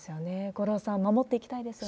五郎さん、守っていきたいですよ